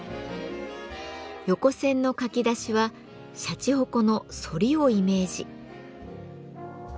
横線の書き出しはシャチホコの「反り」をイメージ。